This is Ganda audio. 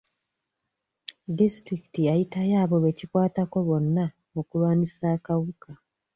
Disitulikiti yayitayo abo be kikwatako bonna okulwanyisa akawuka.